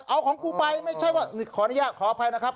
เอาของกูไปขออนุญาตขออภัยนะครับ